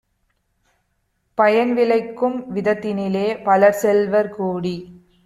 பயன்விளைக்கும் விதத்தினிலே பலசெல்வர் கூடி